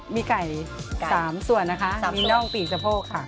มีไก่๓ส่วนนะคะมีน่องปีกสะโพกค่ะ